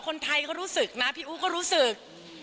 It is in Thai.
คนไทยเขารู้สึกนะพี่อู๋ก็รู้สึก